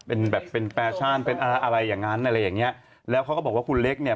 เป็นแบบเป็นแฟชั่นเป็นอะไรอะไรอย่างนั้นอะไรอย่างเงี้ยแล้วเขาก็บอกว่าคุณเล็กเนี่ย